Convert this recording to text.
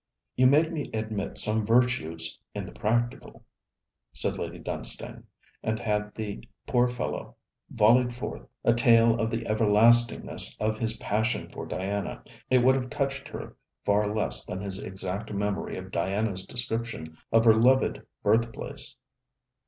'You make me admit some virtues in the practical,' said Lady Dunstane; and had the poor fellow vollied forth a tale of the everlastingness of his passion for Diana, it would have touched her far less than his exact memory of Diana's description of her loved birthplace.